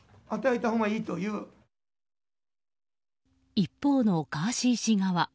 一方のガーシー氏側。